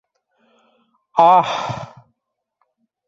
Аһ...